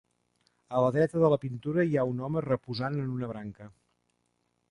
A la dreta de la pintura hi ha un home reposant en una branca.